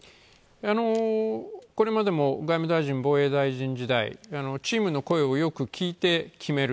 これまでも外務大臣、防衛大臣時代チームの声をよく聞いて決める。